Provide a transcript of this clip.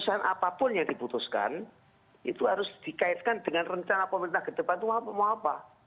jadi itu putusan apapun yang diputuskan itu harus dikaitkan dengan rencana pemerintah ke depan itu mau apa